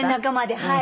はい。